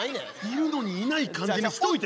いるのにいない感じにしといてね。